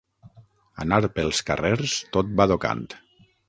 Anar pels carrers tot badocant.